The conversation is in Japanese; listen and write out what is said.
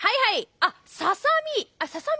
あっささ身？